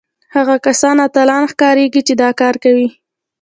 هغه کسان اتلان ښکارېږي چې دا کار کوي